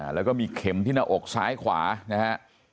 แล้วก็มีเข็มที่หน้าอกซ้ายขวานะฮะ